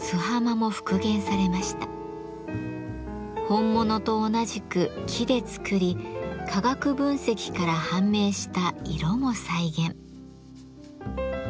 本物と同じく木で作り化学分析から判明した色も再現。